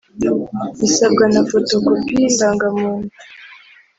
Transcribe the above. isabwa na fotokopi y’indangamuntu